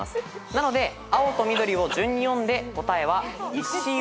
なので青と緑を順に読んで答えは。